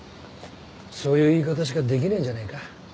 そういう言い方しかできねえんじゃねえか？